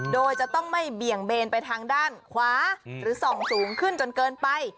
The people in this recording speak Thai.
โดยจะต้องไม่เบี่ยงเบนไปทางด้านขวาหรือส่องสูงขึ้นจนเกินไป